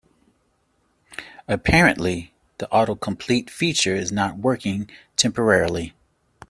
Apparently, the autocomplete feature is not working temporarily.